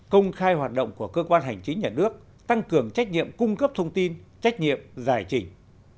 công khai hoạt động của cơ quan hành chính nhà nước tăng cường trách nhiệm cung cấp thông tin trách nhiệm giải trình